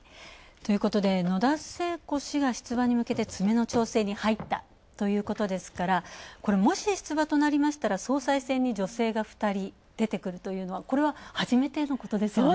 ということで、野田聖子氏が出馬に向けて、つめの調整に入ったということですからこれ、もし出馬となりましたら総裁選に女性が二人出てくるというのはこれははじめてのことですね。